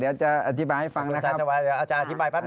เดี๋ยวจะอธิบายให้ฟังนะครับขอบคุณสายสวรรค์อยากจะอธิบายครับ